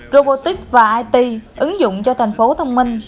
robotic và it ứng dụng cho thành phố thông minh